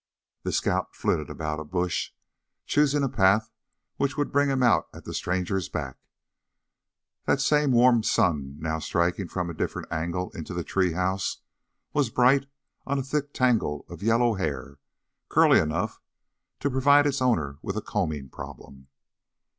The scout flitted about a bush, choosing a path which would bring him out at the stranger's back. That same warm sun, now striking from a different angle into the tree house, was bright on a thick tangle of yellow hair, curly enough to provide its owner with a combing problem.